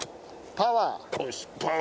パワー！